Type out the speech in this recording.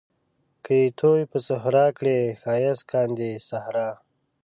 که يې تويې په صحرا کړې ښايسته کاندي صحرا